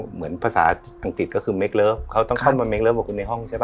เหมือนภาษาอังกฤษก็คือเมคเลิฟเขาต้องเข้ามาเคิร์ฟบอกคุณในห้องใช่ป